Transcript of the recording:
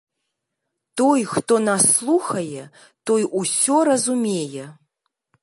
Той, хто нас слухае, той усё разумее.